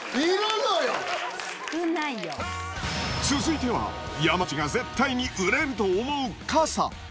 続いては、山内が絶対に売れると思う傘。